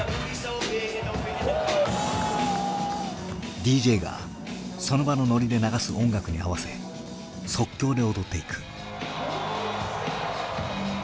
ＤＪがその場のノリで流す音楽に合わせ即興で踊っていく。